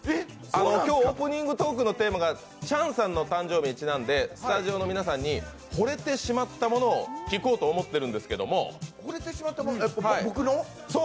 今日、オープニングのテーマがチャンの誕生日にちなんでスタジオの皆さんにほれてしまったものを聞こうと思ってるんですけど惚れてしまったもの、僕の？